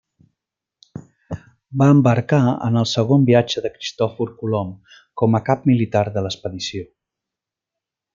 Va embarcar en el segon viatge de Cristòfor Colom com a cap militar de l'expedició.